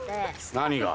何が？